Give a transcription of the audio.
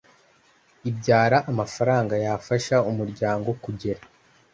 ibyara amafaranga yafasha umuryango kugera